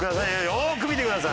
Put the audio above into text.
よく見てください。